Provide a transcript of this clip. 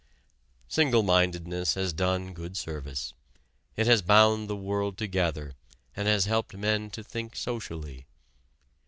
Singlemindedness has done good service. It has bound the world together and has helped men to think socially.